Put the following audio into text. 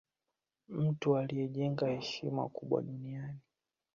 mtu aliye jenga heshima kubwa duniani